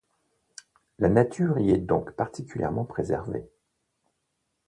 La nature y est donc particulièrement préservée.